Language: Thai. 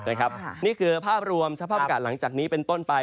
นี่คือภาพรวมสภาพอากาศหลังจากนี้เป็นต้นไป